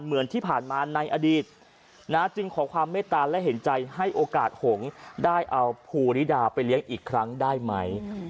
เหมือนที่ผ่านมาในอดีตจึงขอความเมตตาและเห็นใจให้โอกาสหงษ์ได้เอาภูริดาไปเลี้ยงอีกครั้งได้ไหม